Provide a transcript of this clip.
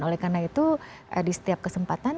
oleh karena itu di setiap kesempatan